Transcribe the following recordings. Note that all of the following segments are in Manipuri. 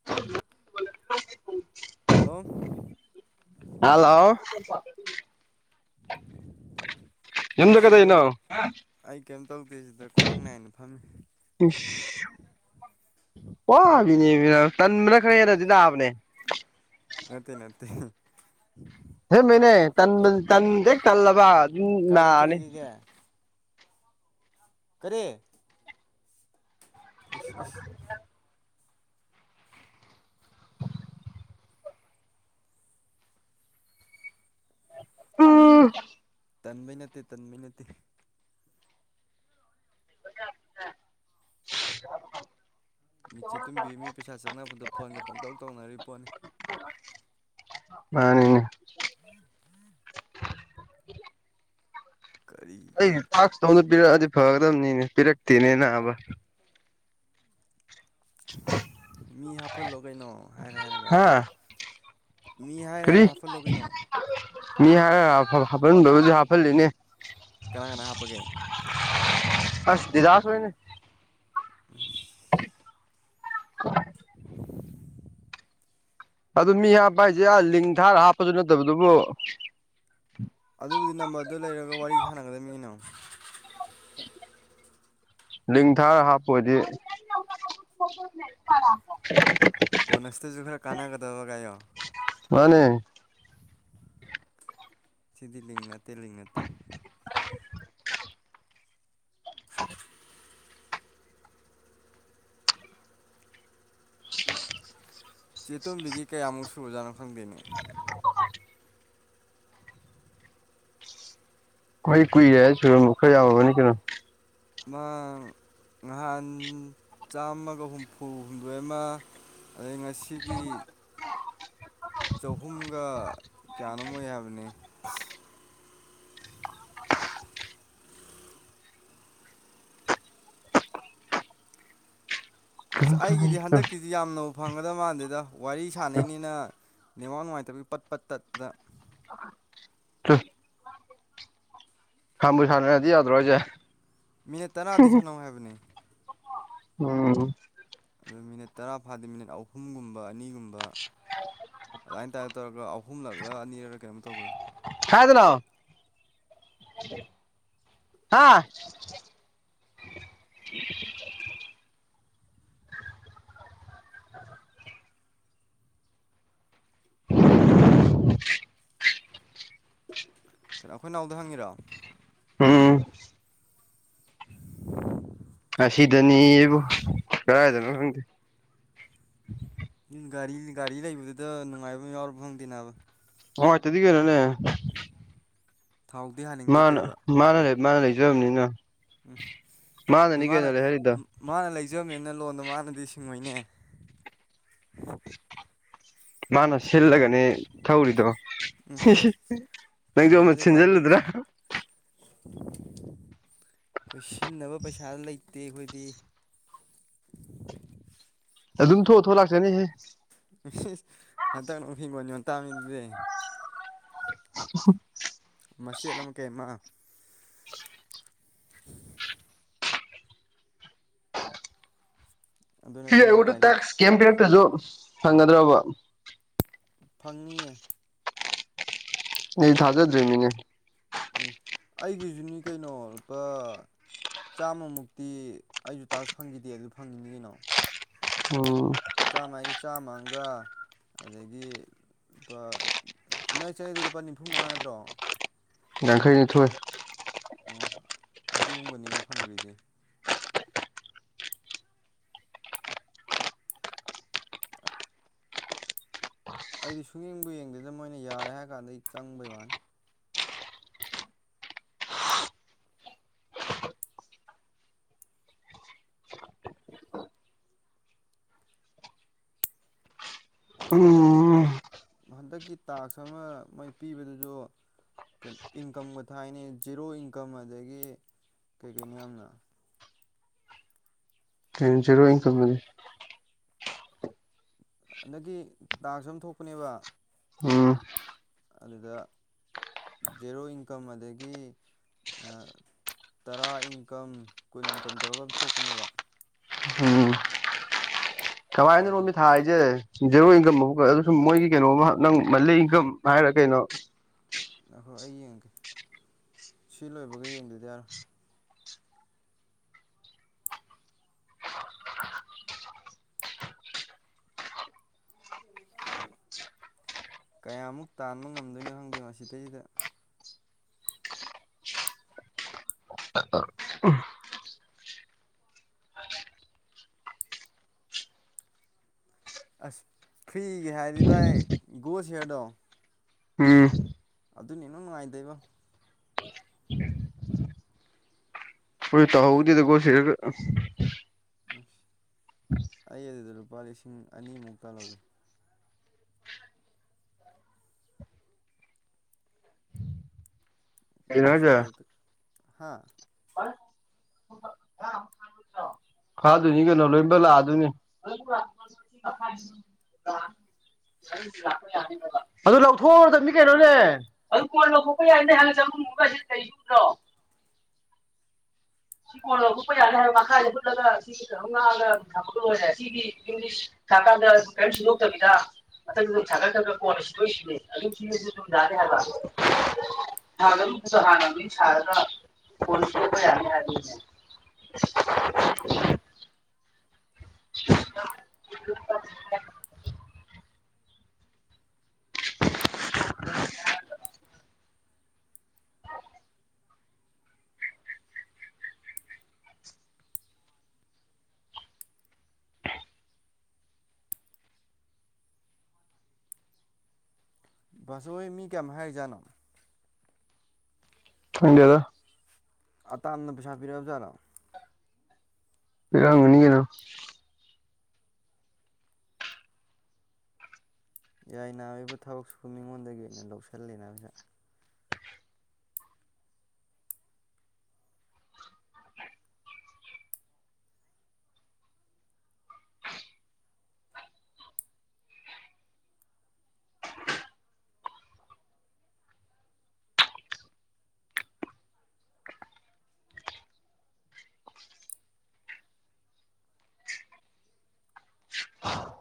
[unintelligible] ꯍꯜꯂꯣ ꯍꯜꯂꯣ ꯌꯨꯝꯗ ꯃꯤꯁꯦ ꯑꯗꯨꯝ ꯀꯩꯗꯧꯔꯤꯅꯣ ꯑꯩ ꯀꯩꯝ ꯇꯧꯗꯦ ꯁꯤꯗ ꯈ꯭ꯋꯥꯡ ꯅꯥꯏꯅ ꯐꯝꯃꯤ ꯏꯁ ꯋꯥꯕꯤꯅꯦꯃꯦ ꯇꯟꯕꯅ ꯈꯔ ꯍꯦꯟꯅꯗꯤ ꯅꯥꯕꯅꯦ ꯅꯠꯇꯦ ꯅꯠꯇꯦ ꯑꯁꯦꯡꯕꯩꯅꯦ ꯇꯟꯕ ꯇꯟ ꯍꯦꯛ ꯇꯜꯂꯕ ꯑꯗꯨꯝ ꯀꯥꯏꯗꯣꯝ ꯅꯥꯔꯅꯤ ꯆꯠꯂꯒꯤꯒꯦ ꯀꯔꯤ ꯏꯁ ꯏꯁ [unintelligible] [unintelligible] ꯇꯟꯕꯩ ꯅꯠꯇꯦ ꯇꯟꯕꯩ ꯅꯠꯇꯦ [unintelligible] ꯃꯤꯠꯆꯦ ꯇꯨꯝꯕꯤ ꯃꯤ ꯄꯩꯁꯥ ꯆꯪꯅꯕꯗꯣ ꯐꯣꯟꯒ ꯄꯪꯇꯧ ꯇꯧꯅꯔꯤ ꯄꯣꯠꯅꯤ ꯃꯥꯅꯤꯅꯦ [inaudible] ꯀꯔꯤ ꯇꯥꯛꯁ ꯇꯣ ꯑꯝꯇ ꯄꯤꯔꯛꯑꯗꯤ ꯐꯒꯗꯕꯅꯤꯅꯦ ꯄꯤꯔꯛꯇꯦꯅꯦ ꯅꯥꯕ ꯃꯤ ꯍꯥꯞꯐꯜꯂꯣ ꯀꯩꯅꯣ ꯍꯥꯏꯔ ꯍꯥꯏꯔꯒ ꯍꯥ ꯃꯤ ꯍꯥꯏꯔ ꯀꯔꯤ ꯍꯥꯏꯔ ꯍꯥꯞꯐꯜꯂꯣ ꯀꯩꯅꯣ ꯃꯤ ꯍꯥꯏꯔ ꯍꯥꯏꯔ ꯍꯥꯞꯐꯜ ꯍꯥꯐꯜꯕꯕꯨꯗꯤ ꯍꯥꯞꯐꯜꯂꯤꯅꯦ ꯀꯅꯥ ꯀꯅꯥ ꯍꯥꯞꯄꯒꯦ ꯑꯁ ꯗꯤꯗꯥꯥꯁ ꯍꯣꯏꯅꯦ [unintelligible] [unintelligible] ꯑꯗꯨ ꯃꯤ ꯍꯥꯞꯄ ꯍꯥꯏꯁꯦ ꯂꯤꯡ ꯊꯥꯔ ꯍꯥꯞꯄꯁꯨ ꯅꯠꯇꯕꯗꯨꯕꯨ ꯑꯗꯨꯕꯨꯗꯤ ꯅꯝꯕꯔꯗꯨ ꯂꯩꯔꯒ ꯋꯥꯔꯤ ꯁꯥꯟꯅꯒꯗꯃꯤꯒꯤꯅ ꯂꯤꯡꯊꯥꯔ ꯍꯥꯞꯄꯗꯤ ꯕꯣꯅꯁꯇꯁꯨ ꯈꯔ ꯀꯥꯟꯅꯒꯗꯕ ꯥꯏꯌꯣ ꯃꯥꯅꯦ ꯁꯤꯗꯤ ꯂꯤꯡ ꯅꯠꯇꯦ ꯂꯤꯡ ꯅꯠꯇꯦ [unintelligible] ꯆꯦꯇꯣꯝꯕꯤꯒꯤ ꯀꯌꯥꯃꯨꯛ ꯁꯨꯔꯨꯖꯥꯠꯅꯣ ꯈꯪꯗꯣꯏꯅꯤꯣ ꯑꯩꯣꯏ ꯀꯨꯏꯔꯦ ꯁꯣꯏꯨꯔꯨꯝꯝꯕ ꯈꯔ ꯌꯥꯎꯔꯕꯅꯤ ꯀꯩꯅꯣ ꯉꯍꯥꯟ ꯆꯥꯝꯃꯒ ꯍꯨꯝꯐꯨ ꯍꯨꯝꯗꯣꯏ ꯑꯃ ꯑ ꯉꯁꯤꯒꯤ ꯆꯍꯨꯝꯒ ꯀꯌꯥꯅꯣꯝ ꯑꯣꯏ ꯍꯥꯏꯕꯅꯤ ꯑ ꯑꯩꯒꯤꯗꯤ ꯆꯣ ꯍꯟꯗꯛꯀꯤ ꯁꯤꯗꯤ ꯌꯥꯝꯅ ꯎ ꯐꯪꯒꯗꯕ ꯃꯥꯟꯗꯦꯗ ꯋꯥꯔꯤ ꯁꯥꯟꯅꯩꯅꯤꯅ ꯅꯦꯋꯥꯡ ꯅꯨꯡꯉꯥꯏꯇꯕꯒꯤ ꯄꯠ ꯄꯠ ꯇꯠꯄꯗ ꯈꯕꯨ ꯁꯥꯟꯅꯔꯗꯤ ꯌꯥꯗ꯭ꯔꯣ ꯑꯩꯁꯦ ꯃꯤꯅꯤꯠ ꯇꯔꯥꯗꯤ ꯁꯥꯟꯅꯧ ꯍꯥꯏꯕꯅꯤ ꯎꯝ ꯑꯗꯨ ꯃꯤꯅꯤꯠ ꯇꯔꯥ ꯐꯥꯗꯤꯦ ꯃꯤꯅꯤꯠ ꯑꯍꯨꯝꯒꯨꯝꯕ ꯑꯅꯤꯒꯨꯝꯕ ꯑꯗꯨꯃꯥꯏꯅ ꯇꯥꯏꯗ ꯇꯔꯒ ꯑꯍꯨꯝꯂꯛꯂꯥ ꯑꯅꯤꯔ ꯀꯩꯅꯣ ꯇꯧꯕꯔꯥ ꯍꯥꯏꯥꯏꯗꯅꯣ ꯍꯥꯥ ꯀꯩꯅꯣ ꯑꯩꯈꯣꯏ ꯅꯥꯎꯗ ꯍꯪꯉꯤꯔꯣ ꯎꯝ [unintelligible] ꯑꯁꯤꯗꯅꯤ ꯑꯩꯕꯨ ꯀꯗꯥꯥꯏꯗꯅꯣ ꯈꯪꯗꯦ ꯒꯥꯔꯤ ꯒꯥꯔꯤ ꯂꯩꯕꯗꯨꯗ ꯅꯨꯡꯉꯥꯏꯕ ꯌꯥꯎꯔ ꯐꯪꯗꯦꯕ ꯑꯣ ꯆꯗꯤꯒꯦ ꯅꯅꯦ ꯊꯥꯎꯗ ꯍꯥꯏ ꯃꯥꯅ ꯃꯥꯅ ꯂꯩ ꯃꯥꯅ ꯂꯩꯖꯕꯅꯤꯅ ꯎꯝ ꯑꯗꯨ ꯃꯥꯅꯅꯤ ꯃꯥꯅ ꯀꯩꯅꯣ ꯂꯩꯍꯜꯂꯤꯗꯣ ꯎ ꯃꯥꯅ ꯂꯩꯖꯕꯅꯤꯅ ꯂꯣꯟꯗꯣ ꯃꯥꯅꯗꯤ ꯁꯤꯡꯉꯣꯏꯅꯦ ꯃꯥꯅ ꯁꯤꯜꯂꯒꯅꯤ ꯊꯧꯔꯤꯗꯣ ꯎꯝ ꯅꯪꯁꯨ ꯑꯃꯨ ꯄꯥꯝꯖꯗ꯭ꯔꯦ ꯁꯤꯟꯖꯜꯂꯨꯗ꯭ꯔꯥ ꯄꯥꯝꯖꯗ꯭ꯔꯦ ꯑꯩꯈꯣꯏ ꯁꯤꯟꯅꯕ ꯄꯩꯁꯥ ꯂꯩꯇꯦ ꯑꯩꯈꯣꯏꯗꯤ ꯑꯗꯨꯝ ꯊꯣꯛꯑ ꯊꯣꯛ ꯂꯥꯛꯆꯅꯤꯍꯦ ꯍꯟꯗꯛ ꯅꯨꯡꯐꯤꯡꯒꯣꯟ ꯌꯣ ꯇꯥꯃꯤꯗꯨꯁꯦ [unintelligible] ꯃꯆꯦꯠ ꯑꯃ ꯀꯩ ꯑꯃ ꯑꯗꯨ ꯁꯤꯦ ꯅꯠꯇꯅ ꯑꯩꯗ ꯎꯄꯥꯏ ꯂꯩ ꯇꯥꯛꯁ ꯀꯦꯝ ꯄꯤꯔꯛꯇꯁꯨ ꯐꯪꯒꯗ꯭ꯔꯕ ꯐꯪꯏꯌꯦ ꯏ ꯍꯗꯔꯤ ꯃꯤꯅꯦ ꯎ ꯑꯩꯒꯤꯖꯅꯤ ꯀꯩꯅꯣ ꯂꯨꯄꯥ ꯆꯥꯝꯃꯃꯨꯛꯇꯤ ꯑꯩꯁꯨ ꯇꯥꯛꯁꯨ ꯐꯪꯈꯤꯗꯦ ꯑꯗꯨ ꯐꯪꯈꯤꯅꯤ ꯀꯩꯅꯣ ꯎꯝ ꯆꯥꯝꯃ ꯍꯥꯏꯗ ꯆꯥꯝꯃꯒ ꯑꯗꯒꯤ ꯂꯨꯄꯥ ꯅꯣꯏ ꯆꯗꯣ ꯂꯨꯄꯥ ꯅꯤꯝꯐꯨ ꯃꯉꯥ ꯅꯠꯇ꯭ꯔꯣ ꯪꯈ꯭ꯔꯅ ꯊꯣꯏ ꯑꯣ ꯑꯗꯨꯒꯨꯝꯕꯅꯦꯅ ꯐꯪꯗ꯭ꯔꯤꯁꯦ ꯑꯩꯗꯤ ꯁꯨꯡꯌꯦꯡꯕꯨ ꯌꯦꯡꯗꯦꯗꯅ ꯃꯣꯏꯅ ꯌꯥꯔꯦ ꯍꯥꯏꯔ ꯀꯥꯟꯗ ꯑꯩ ꯆꯪꯕꯩ ꯋꯥꯅꯤ ꯍꯟꯗꯛꯀꯤ ꯎꯝ ꯍꯟꯗꯛꯀꯤ ꯇꯥꯛꯁ ꯑꯃ ꯃꯩ ꯄꯤꯕꯗꯨꯁꯨ ꯀꯣ ꯏꯟꯀꯝꯒ ꯊꯥꯏꯅꯤ ꯖꯤꯦꯔꯣ ꯏꯟꯀꯝ ꯑꯗꯒꯤ ꯀꯩ ꯀꯩꯅꯣ ꯌꯥꯝꯅ ꯇꯦꯟꯖꯔꯛ ꯏꯪ ꯈꯜꯕꯅꯤ ꯍꯟꯛꯒꯤ ꯇꯥꯡꯁꯨ ꯑꯃ ꯊꯣꯛꯄꯅꯦꯕ ꯎꯝ ꯑꯗꯨꯗ ꯖꯦꯔꯣ ꯏꯟꯀꯝ ꯑꯗꯒꯤ ꯇꯔꯥ ꯏꯟꯀꯝ ꯀꯨꯟ ꯏꯟꯀꯝ ꯇꯧꯔꯒ ꯑꯃ ꯊꯣꯛꯄꯅꯦꯕ ꯊꯋꯥꯥꯏꯅꯤ ꯑꯗꯨ ꯃꯃꯤ ꯊꯥꯏꯖꯦ ꯖꯦꯔꯣ ꯏꯟꯀꯝ ꯑꯃꯛ ꯑꯗꯨ ꯁꯨꯝ ꯃꯣꯏꯒꯤ ꯀꯩꯅꯣꯝ ꯅꯪ ꯃꯜꯂꯤ ꯏꯟꯀꯝ ꯍꯥꯏꯔ ꯀꯩꯅꯣ ꯅꯈꯣꯏ ꯑꯩ ꯌꯦꯡꯒꯦ ꯁꯤ ꯂꯣꯏꯕꯒ ꯌꯦꯡꯗꯣꯏꯗꯤ ꯌꯥꯔꯣꯏ ꯀꯩꯅꯦ ꯀꯌꯥꯃꯨꯛ ꯇꯥꯟꯕ ꯉꯝꯗꯣꯏꯅꯣ ꯈꯪꯗꯦ ꯃꯁꯤꯗꯩꯁꯤꯗ ꯑꯁ ꯐ꯭ꯔꯤꯒꯦ ꯍꯥꯏꯔꯗꯤ ꯚꯥꯏ ꯒꯣꯁ ꯍꯌꯥꯔꯗꯣ ꯑꯝ ꯑꯗꯨꯅꯦ ꯅꯪ ꯅꯨꯡꯉꯥꯏꯗꯣꯏꯕꯣ ꯐꯣꯏ ꯇ ꯍꯗꯗꯒꯣꯁꯤ ꯎꯝ ꯑꯩ ꯑꯗꯨꯗ ꯂꯨꯄꯥ ꯂꯤꯁꯤꯡ ꯑꯅꯤꯃꯨꯛꯇ ꯂꯧꯏꯦ ꯀꯩꯅꯣ ꯍꯥꯏꯁꯦ ꯋꯥꯁꯑꯞꯇ ꯍꯥꯥ ꯐꯥꯗꯣꯏꯅꯤ ꯀꯩꯅꯣ ꯂꯣꯏꯃꯛ ꯂꯥꯛꯑꯗꯣꯏꯅꯤ ꯑꯗꯨ ꯂꯧꯊꯣꯛꯎꯔꯗꯕꯅꯤ ꯀꯩꯅꯣꯅꯦ ꯑꯗꯨ ꯀꯣꯟ ꯂꯧꯊꯣꯛꯄ ꯌꯥꯏ ꯅ ꯍꯥꯟꯅ ꯆꯃꯨꯝꯨꯒꯁꯤꯗ ꯀꯔꯤꯒꯨꯝꯗ꯭ꯔꯣ ꯀꯣ ꯂꯒ ꯄ ꯌꯥꯅ ꯍꯥꯏ ꯃꯈ ꯑ ꯄꯨꯂꯒ ꯑꯒꯔꯦ ꯁꯤꯒꯤ ꯏꯂꯤ ꯀꯀꯥꯗ ꯀꯩꯅꯁꯨ ꯅꯣꯛꯇꯕꯤꯗ ꯃ ꯆ ꯆ ꯀꯣꯏ ꯗ ꯍ ꯍꯥꯟꯅ ꯃꯤ ꯁꯥꯔꯅ ꯐꯣꯟꯕ ꯌꯥꯅꯤ ꯍꯥꯏ [unintelligible] [unintelligible] ꯕꯥꯁꯣꯏ ꯃꯤ ꯀꯌꯥꯝꯃ ꯍꯥꯏꯔꯤꯖꯥꯅꯣ ꯑ ꯏꯟꯗꯤꯌꯥꯗ ꯑ ꯇꯅ ꯄꯩꯁꯥ ꯄꯤꯔꯑ ꯖꯥꯠꯔꯣ ꯪꯒꯅꯤꯒꯅ ꯌꯥꯏ ꯅꯥꯏꯕ ꯊꯕꯛꯁꯤꯕꯨ ꯃꯤꯉꯣꯟꯗꯒꯤ ꯑꯣꯏꯅ ꯂꯧꯁꯤꯜꯂꯦꯅꯗ ꯑ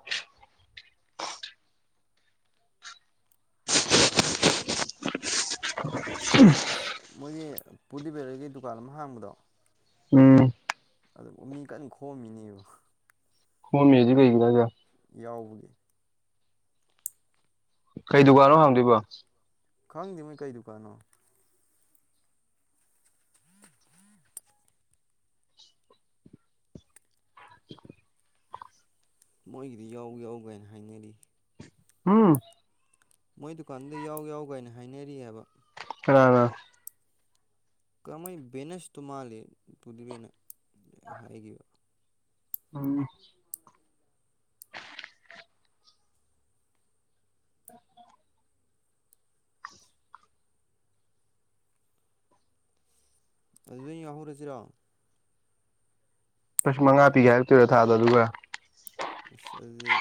ꯎꯝ ꯑꯁ ꯃꯣꯏꯒꯤ ꯄꯨꯗꯤ ꯕꯦꯂꯔꯤꯒꯤ ꯗꯨꯀꯥꯟ ꯑꯃ ꯍꯥꯡꯕꯗꯣ ꯎꯝ ꯑꯗꯨ ꯃꯤ ꯀꯟꯅ ꯈꯣꯝꯃꯤꯅꯦꯕ ꯍꯃꯤꯖꯤ ꯀꯩ ꯀꯗꯖ ꯌꯥꯎꯕꯒꯤ ꯀꯩ ꯗꯨꯀꯥꯟꯣ ꯍꯥꯡꯗꯣꯏꯕꯣ ꯈꯪꯗꯦ ꯃꯣꯏ ꯀꯩ ꯗꯨꯀꯥꯟꯅꯣ [inaudible] ꯃꯣꯏꯒꯤꯗꯤ ꯌꯥꯎꯒ ꯌꯥꯎꯒꯥꯏꯅ ꯍꯥꯏꯅꯔꯤ ꯎꯝ ꯃꯣꯏ ꯗꯨꯀꯥꯟꯗ ꯌꯥꯎ ꯌꯥꯎ ꯀꯥꯏꯅ ꯍꯥꯏꯅꯔꯤꯑꯕ ꯑ ꯋꯥ ꯀꯃꯥꯏ ꯕꯦꯅꯁꯇꯨ ꯃꯥꯜꯂꯤ ꯇꯗꯤꯕꯦꯅ ꯍꯥꯏꯈꯤꯕ ꯎꯝ ꯑꯗꯨꯗ ꯌꯥꯎꯍꯧꯔꯁꯤꯔꯣ ꯄꯁ ꯃꯉꯥ ꯄꯤꯒꯦ ꯍꯥꯏꯔꯛꯇꯣꯏꯔꯣ ꯊꯥꯗꯣ ꯑꯗꯨꯒꯒ ꯏꯁꯁꯗꯤ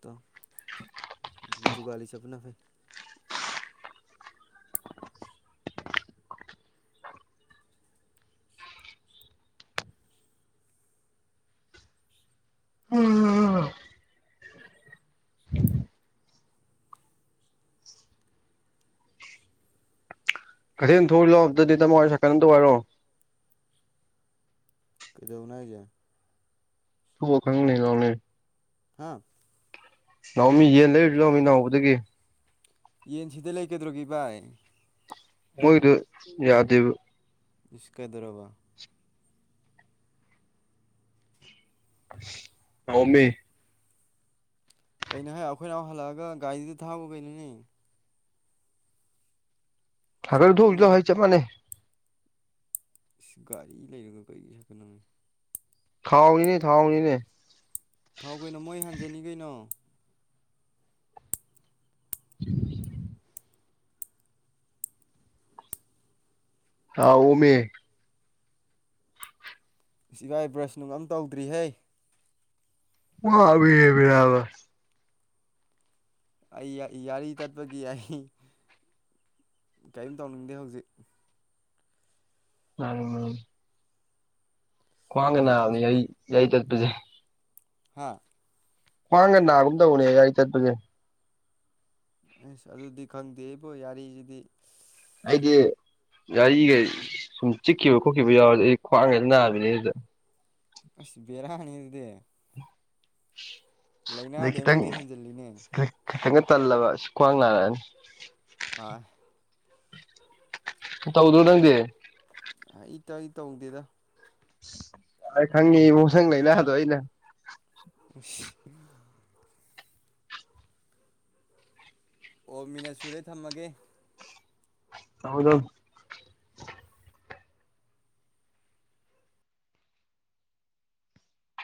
ꯇ ꯨꯒꯂꯤ ꯆꯕꯨꯅ ꯐꯩ ꯎꯝ ꯀꯩꯊꯦꯜ ꯊꯣꯛꯏ ꯂꯥꯛꯕꯗꯗꯤ ꯇꯃꯣꯏꯔ ꯁꯛꯀꯟꯝꯇ ꯑꯣꯏꯔꯣ ꯀꯩꯗꯧꯅꯖꯦ ꯊꯧꯈꯪꯅꯦꯒꯥꯎꯅ ꯍꯥꯥ ꯅꯅꯥꯍꯎ ꯃꯤ ꯌꯦꯟ ꯂꯩꯔꯨꯁꯤ ꯂꯧꯃꯤ ꯅꯅꯥꯍꯎꯧꯕꯗꯒꯤ ꯌꯦꯟꯁꯤꯗ ꯂꯩꯒꯗ꯭ꯔꯣꯒꯤ ꯚꯏ ꯍꯣꯏꯗ ꯌꯥꯗꯕ ꯏꯀꯥꯗꯨ꯭ꯔꯕꯥ ꯅꯧꯃꯤ ꯀꯩꯅꯣ ꯍꯥꯏ ꯑꯩꯈꯣꯏꯅ ꯍꯜꯂꯛꯑꯒ ꯒꯥꯔꯤꯗꯨ ꯊꯥꯕ ꯀꯩꯅꯣꯅꯦ ꯊꯔ ꯊ ꯁꯥꯏꯀꯟꯒ ꯍꯥꯏꯦ ꯃꯅꯦ ꯒꯥꯔꯤ ꯂꯩꯔꯒ ꯀꯔꯤꯒꯤ ꯁꯥꯛꯀꯠꯅꯅꯤ ꯊꯥꯎꯅꯤꯅꯦ ꯊꯥꯎꯅꯤꯅꯦ ꯊꯥꯎ ꯀꯩꯅꯣ ꯃꯣꯏ ꯍꯟꯖꯅꯤ ꯀꯩꯅꯣ [inaudible] ꯑꯥꯎ ꯎ ꯃ ꯏꯒꯥꯏ ꯕ꯭ꯔꯁ ꯅꯨꯡ ꯑꯃꯝ ꯇꯧꯗ꯭ꯔꯤꯍꯩ ꯑꯣꯕꯤꯕꯤꯔꯕꯔ ꯑꯩ ꯌꯥꯔꯤ ꯇꯠꯄꯒꯤ ꯑꯩ ꯀꯔꯤꯝ ꯇꯧꯅꯤꯡꯗꯦ ꯍꯧꯖꯤꯛ ꯑ ꯈ꯭ꯋꯥꯡꯒ ꯅꯥꯕꯅꯤ ꯃꯊꯥꯁꯦ ꯑꯩ ꯌꯥꯏ ꯇꯠꯄꯁꯦ ꯍꯥꯥ ꯃꯥꯡꯒ ꯅꯥꯒꯨꯝ ꯇꯧꯅꯦ ꯑꯩꯒ ꯑꯩ ꯆꯠꯄꯁꯦ ꯑꯁ ꯑꯗꯨꯗꯤ ꯈꯪꯗꯦ ꯑꯩꯕꯣ ꯌꯥꯔꯤꯁꯤꯗꯤ ꯑꯩꯗꯤ ꯒꯥꯔꯤꯒ ꯁꯨꯝ ꯆꯤꯛꯈꯤꯕ ꯈꯣꯠꯈꯤꯕ ꯌꯥꯎꯔꯗꯤ ꯑꯩ ꯈ꯭ꯋꯥꯡꯈꯩꯗ ꯅꯥꯕꯅꯤ ꯑꯗꯨꯗ ꯑꯁꯤꯕꯕꯤꯔꯥꯅꯤꯗꯦ ꯑꯗꯩ ꯂꯥꯏꯅꯥꯗꯤ ꯈꯤꯇꯪ ꯑꯩꯉꯣꯟꯗ ꯍꯦꯟꯖꯜꯂꯤꯅꯦ ꯈꯤꯇꯪꯒ ꯇꯜꯂꯕ ꯁ ꯈ꯭ꯋꯥꯡ ꯅꯥꯔꯛꯑꯅꯤ ꯑ ꯇꯧꯗꯣꯗꯪꯦ ꯏ ꯇꯧꯏ ꯇꯧꯗꯦꯗ ꯑ ꯈꯪꯉꯤ ꯃꯁꯪ ꯂꯩꯅꯗꯣ ꯏꯩꯅ ꯎꯁꯤ ꯑꯣ ꯃꯤꯅꯠ ꯁꯨꯔꯦ ꯊꯝꯃꯒꯦ ꯍꯥꯎꯗ